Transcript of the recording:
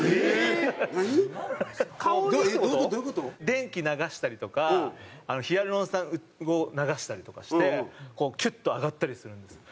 電気流したりとかヒアルロン酸を流したりとかしてこうキュッと上がったりするんですよ。